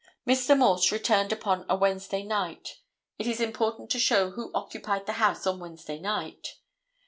Mr. Morse returned upon a Wednesday night. It is important to show who occupied the house on Wednesday night.